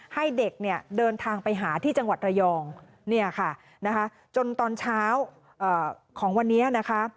ให้เด็กเดินทางไปหาที่จังหวัดระยองจนตอนเช้าของวันเนี้ยนะคะ